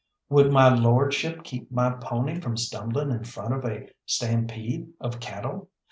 "Would my lordship keep my pony from stumbling in front of a stampede of cattle?